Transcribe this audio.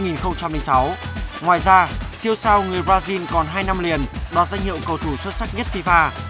ngoài ra siêu sao người brazil còn hai năm liền đoạt danh hiệu cầu thủ xuất sắc nhất fifa